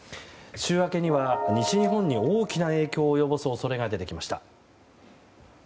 週明けには西日本に大きな影響を及ぼす恐れが出てきました。